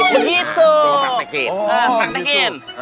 baik ya dari